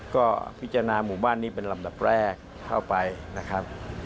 ก็พิจารณาหมู่บ้านนี้เป็นลำดับแรกเข้าไปนะครับ